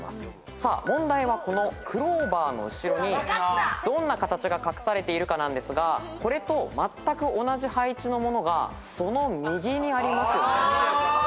さあ問題はこの♣の後ろにどんな形が隠されているかなんですがこれとまったく同じ配置ものがその右にありますよね。